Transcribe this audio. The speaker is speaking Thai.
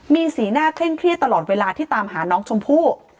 มีสีหน้าเคร่งเครียดตลอดเวลาที่ตามหาน้องชมพู่